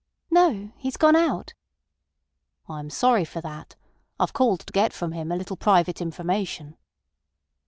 "No. He's gone out." "I am sorry for that. I've called to get from him a little private information."